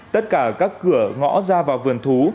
tất cả các cửa ngõ ra vào vườn thú